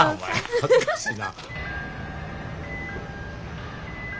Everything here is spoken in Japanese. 恥ずかしな。